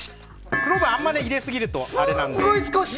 クローブはあまり入れすぎるとあれなので。